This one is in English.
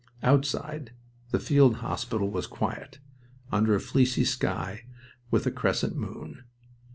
Outside, the field hospital was quiet, under a fleecy sky with a crescent moon.